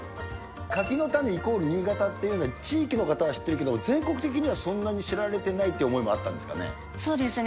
柿の種イコール新潟っていうのは、地域の方は知ってるけれども、全国的にはそんなに知られてないっていう思いもあったんですかね。